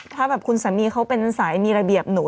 ถ้าแบบคุณสามีเขาเป็นสายมีระเบียบหนู